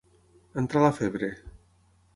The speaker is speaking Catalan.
Entrar la febre.